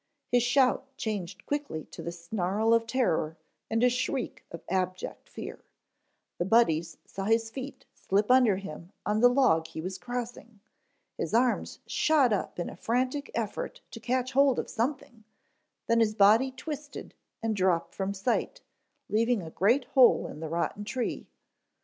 His shout changed quickly to the snarl of terror, and a shriek of abject fear. The Buddies saw his feet slip from under him on the log he was crossing. His arms shot up in a frantic effort to catch hold of something, then his body twisted and dropped from sight, leaving a great hole in the rotten tree.